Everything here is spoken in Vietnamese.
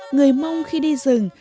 người mông khi đi rừng